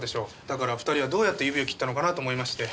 だから２人はどうやって指を切ったのかなと思いまして。